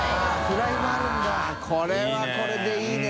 ◆舛これはこれでいいね。